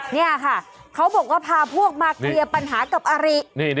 นี่ค่ะเขาบอกว่าพาพวกมาเคลียร์ปัญหากับอาริ